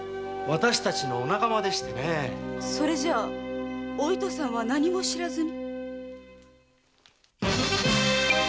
それじゃお糸さんは何も知らずに？